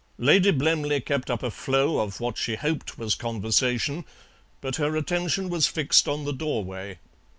Lady Blemley kept up a flow of what she hoped was conversation, but her attention was fixed on the doorway.